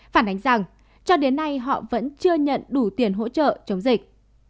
phản ánh rằng cho đến nay họ vẫn chưa nhận đủ tiền hỗ trợ chống dịch